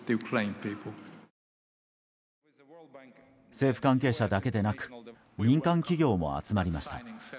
政府関係者だけでなく民間企業も集まりました。